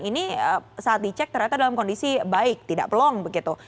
ini saat dicek ternyata dalam kondisi baik tidak pelong begitu